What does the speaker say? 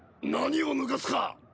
何をぬかすか！